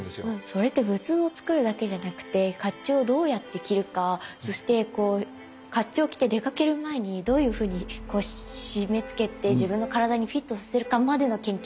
それって仏像をつくるだけじゃなくてかっちゅうをどうやって着るかそしてかっちゅうを着て出かける前にどういうふうに締めつけて自分の体にフィットさせるかまでの研究が必要ですよね。